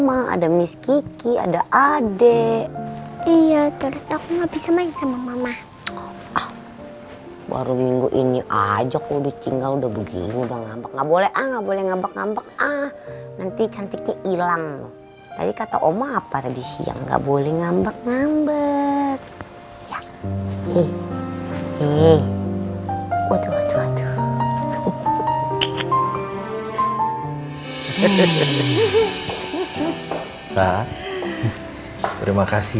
ada yang menelpon handphone kamu tadi